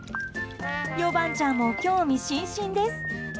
ヨバンちゃんも興味津々です。